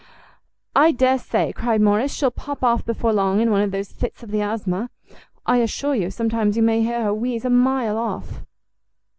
"I dare say," cried Morrice, "she'll pop off before long in one of those fits of the asthma. I assure you sometimes you may hear her wheeze a mile off."